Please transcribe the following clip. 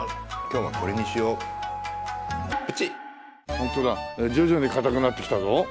本当だ徐々に硬くなってきたぞ。